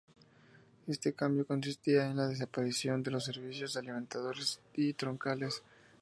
Este cambio consistía en la desaparición de los servicios alimentadores y troncales.